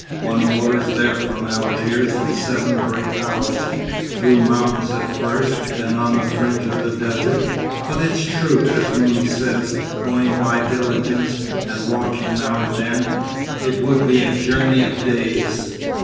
One motors there from Algiers in seven or eight hours through mountains at first, then on the fringe of the desert; but it's true, as Mouni says, going by diligence, and walking now and then, it would be a journey of days.